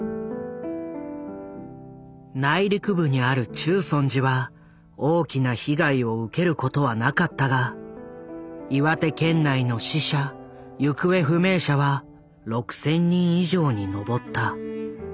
内陸部にある中尊寺は大きな被害を受けることはなかったが岩手県内の死者・行方不明者は６，０００人以上に上った。